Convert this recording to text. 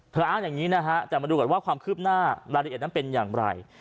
อ้างอย่างนี้นะฮะแต่มาดูก่อนว่าความคืบหน้ารายละเอียดนั้นเป็นอย่างไร